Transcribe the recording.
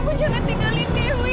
ibu jangan tinggalin dewi